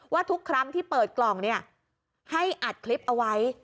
ทุกครั้งที่เปิดกล่องเนี่ยให้อัดคลิปเอาไว้